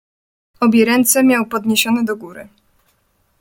"Obie ręce miał podniesione do góry."